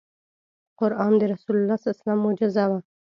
قرآن د رسول الله ص معجزه وه .